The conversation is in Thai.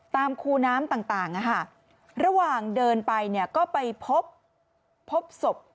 ตามคูน้ำต่างระหว่างเดินไปก็ไปพบศพ